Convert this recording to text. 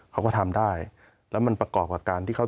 เขาก็ทำได้แล้วมันประกอบกับการที่เขา